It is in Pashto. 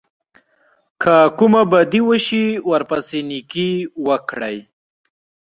که کومه بدي وشي ورپسې نېکي وکړئ.